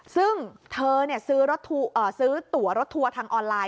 ซึ่งเธอซื้อตัวรถทัวร์ทางออนไลน